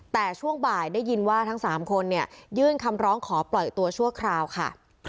แต่ช่วงบ่ายได้ยินว่าทั้ง๓คนยื่นคำร้องขอปล่อยตัวชั่วคราวค่ะ